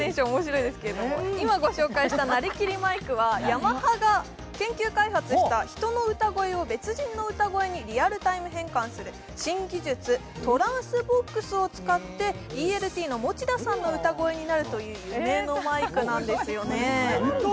今ご紹介したなりきりマイクはヤマハが研究開発した人の歌声を別人の歌声にリアルタイム変換する新技術、ＴｒａｎｓＶｏｘを使ってＥＬＴの持田さんの歌声になるという夢のマイクなんですね。